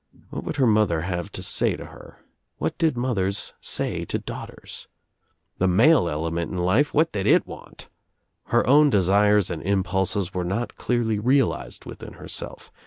What ! would her mother have to say to her? What did mothers say to daughters? The male element in life — what did it want? Her own desires and impulses were not clearly realized within herself.